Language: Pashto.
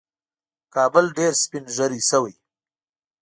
کابل ډېر سپین ږیری شوی